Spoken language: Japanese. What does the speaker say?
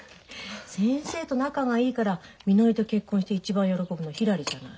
先生と仲がいいからみのりと結婚して一番喜ぶのひらりじゃない。